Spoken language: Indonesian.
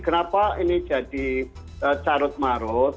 kenapa ini jadi carut marut